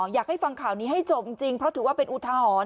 อยากให้ฟังข่าวนี้ให้จบจริงเพราะถือว่าเป็นอุทหรณ์